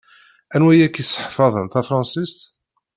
Anwa i ak-iseḥfaḍen tafṛansist?